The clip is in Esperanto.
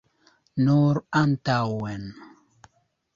Nur antaŭen.